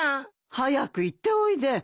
早く行っておいで。